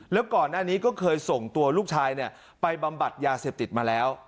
แล้วก่อนหน้านี้ก็เคยส่งตัวลูกชายไปบำบัดยาเสพติดมาแล้ว